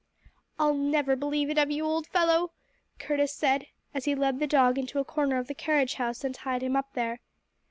"I'll never believe it of you, old fellow!" Curtis said, as he led the dog into a corner of the carriage house and tied him up there.